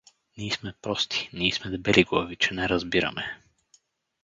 Ний сме прости, ний сме дебели глави, че не разбираме.